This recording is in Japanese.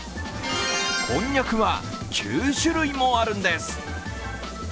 こんにゃくは９種類もあるんです。